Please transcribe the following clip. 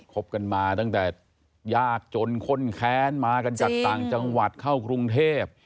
บกันมาตั้งแต่ยากจนข้นแค้นมากันจากต่างจังหวัดเข้ากรุงเทพ